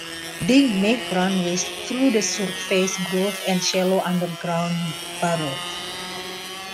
They make runways through the surface growth and shallow underground burrows.